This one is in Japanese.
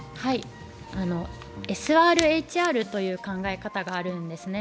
ＳＲＨＲという考え方があるんですね。